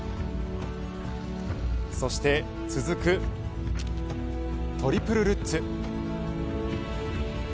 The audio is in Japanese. そして続くトリプルルッツ。